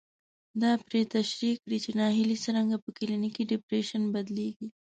دا پرې تشرېح کړي چې ناهيلي څرنګه په کلينيکي ډېپريشن بدلېږي.